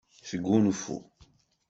Sgunfu.